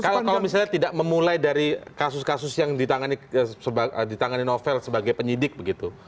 kalau misalnya tidak memulai dari kasus kasus yang ditangani novel sebagai penyidik begitu